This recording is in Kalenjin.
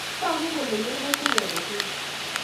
Tagu kole memoche kebe tukul.